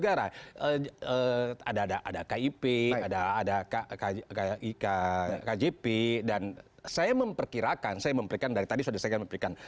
ada kip ada ik kjp dan saya memperkirakan saya memperkirakan dari tadi sudah saya memberikan